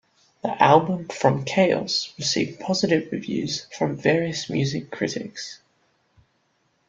The album "From Chaos" received positive reviews from various music critics.